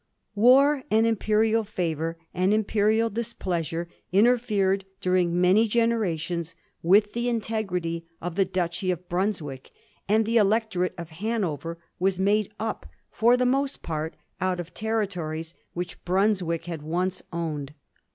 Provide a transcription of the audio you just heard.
War and imperial favour and imperial displeasure interfered during many generations with the integrity of the Duchy of Brunswick, and the Electorate of Hanover was made up for the most part out of territories which Brunswick had once owned.